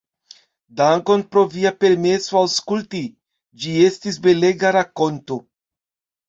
Dankon pro via permeso aŭskulti, ĝi estis belega rakonto.